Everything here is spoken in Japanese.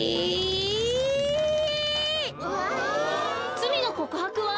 つみのこくはくは？